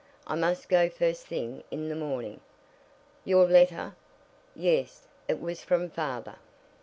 I must go first thing in the morning." "Your letter?" "Yes, it was from father."